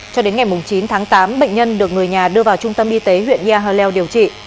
cho đến ngày chín tháng tám bệnh nhân được người nhà đưa vào trung tâm y tế huyện yale leo điều trị